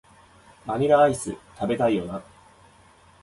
バニラアイス、食べたいよな